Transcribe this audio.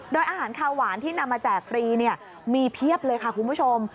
โดยอาหารคาวหวานที่นำมาแจกฟรีมีเพียบเลยค่ะคุณผู้ชม